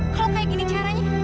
kalau kayak gini caranya